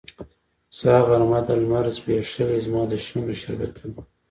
سره غرمه ده لمر ځبیښلې زما د شونډو شربتونه